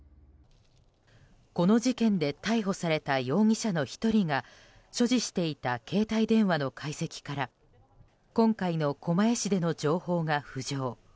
この事件で逮捕された容疑者の１人が所持していた携帯電話の解析から今回の狛江市での情報が浮上。